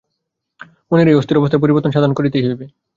মনের এই অস্থির অবস্থার পরিবর্তন সাধন করিতেই হইবে।